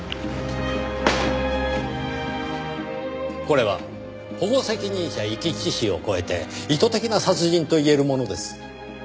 これは保護責任者遺棄致死を越えて意図的な殺人と言えるものです。